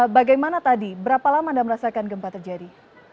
bagaimana tadi berapa lama anda merasakan gempa terjadi